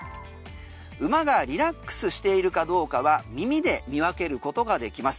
馬がリラックスしているかどうかは耳で見分けることができます。